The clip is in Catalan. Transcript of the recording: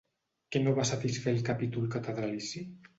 Què no va satisfer al capítol catedralici?